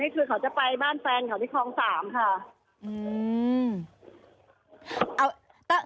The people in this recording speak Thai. คือเขาจะไปบ้านแฟนเขาที่คลอง๓ค่ะ